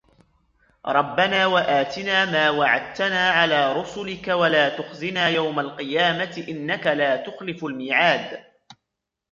ربنا وآتنا ما وعدتنا على رسلك ولا تخزنا يوم القيامة إنك لا تخلف الميعاد